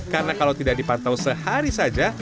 karena kalau tidak dipantau sehari saja